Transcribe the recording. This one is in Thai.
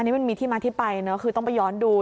อันนี้มันมีที่มาที่ไปคือต้องไปย้อนดู